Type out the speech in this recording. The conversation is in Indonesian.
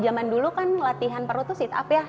zaman dulu kan latihan perut itu sit up ya